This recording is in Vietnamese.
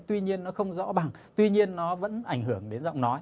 tuy nhiên nó không rõ bằng tuy nhiên nó vẫn ảnh hưởng đến giọng nói